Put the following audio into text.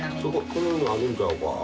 この辺にあるんちゃうか？